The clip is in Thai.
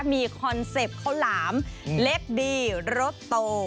มีคอนเซ็ปต์ข้าวหลามเล็กดีรสโต